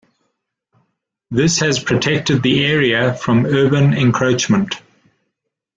This has protected the area from urban encroachment.